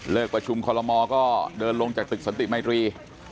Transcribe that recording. เลิกประชุมคอลโลมอล์ก็เดินลงจากตึกสนติมัยตรี